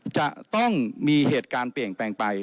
จะต้องมีเหตุการณ์เปลี่ยนแปลงไป